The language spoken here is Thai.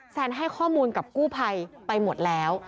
แซนให้ข้อมูลกับกู้ภัยไปหมดแล้ว